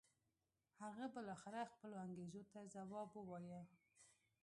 هغه بالاخره خپلو انګېزو ته ځواب و وایه.